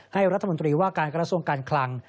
รัฐมนตรีว่าการกระทรวงการคลัง